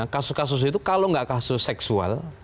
kasus kasus itu kalau nggak kasus seksual